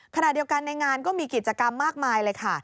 ขณะเดียวกันในงานก็มีกิจกรรมมากมายเลยค่ะ